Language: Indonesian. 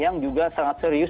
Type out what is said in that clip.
yang juga sangat serius